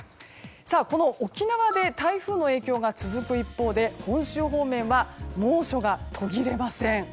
沖縄で台風の影響が続く一方で本州方面は猛暑が途切れません。